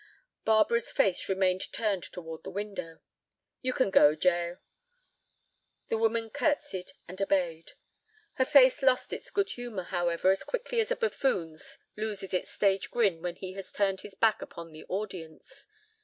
Barbara's face remained turned toward the window. "You can go, Jael." The woman curtesied and obeyed. Her face lost its good humor, however, as quickly as a buffoon's loses its stage grin when he has turned his back upon the audience.